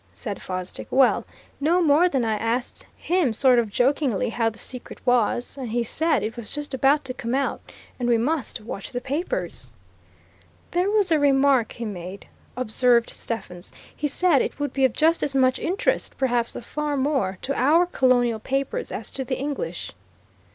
said Fosdick. "Well, no more than I asked him sort of jokingly, how the secret was. And he said it was just about to come out, and we must watch the papers." "There was a remark he made," observed Stephens. "He said it would be of just as much interest, perhaps of far more, to our Colonial papers as to the English."